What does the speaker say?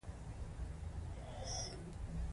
راپور د نظریاتو او وړاندیزونو لیږد دی.